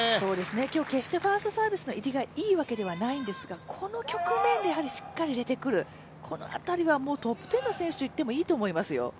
今日、決してファーストサーブの入りがいいわけではないんですがこの局面でしっかり入れてくるこの辺りはもうトップ１０の選手と言ってもいいと思いますよ。